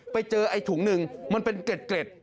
ไปเจอไอ้ถุงหนึ่งมันเป็นเกร็ด